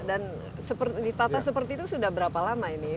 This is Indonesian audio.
dan ditata seperti itu sudah berapa lama ini